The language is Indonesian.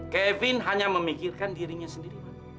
kevin hanya memikirkan dirinya sendiri